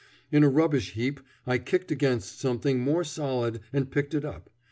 In a rubbish heap I kicked against something more solid and picked it up.